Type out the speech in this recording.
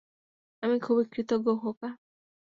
আমি খুবই কৃতজ্ঞ, খোকা।